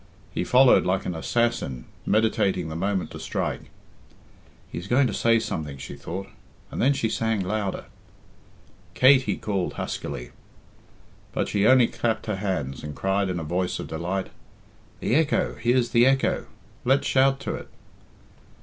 He followed like an assassin meditating the moment to strike. "He is going to say something," she thought, and then she sang louder. "Kate," he called huskily. But she only clapped her hands, and cried in a voice of delight, "The echo! Here's the echo! Let's shout to it."